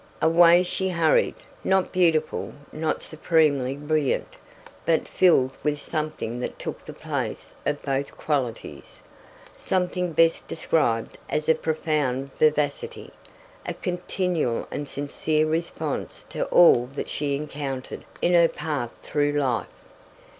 Away she hurried, not beautiful, not supremely brilliant, but filled with something that took the place of both qualities something best described as a profound vivacity, a continual and sincere response to all that she encountered in her path through life.